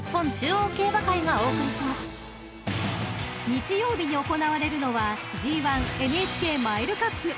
［日曜日に行われるのはＧⅠＮＨＫマイルカップ］